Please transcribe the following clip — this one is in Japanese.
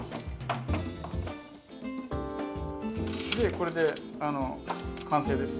これで完成です。